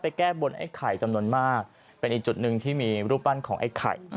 แก้บนไอ้ไข่จำนวนมากเป็นอีกจุดหนึ่งที่มีรูปปั้นของไอ้ไข่